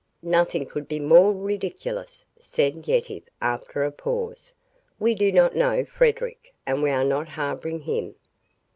"Nothing could be more ridiculous," said Yetive after a pause. "We do not know Frederic, and we are not harboring him."